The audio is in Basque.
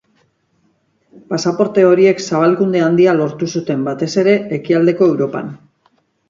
Pasaporte horiek zabalkunde handia lortu zuten, batez ere Ekialdeko Europan.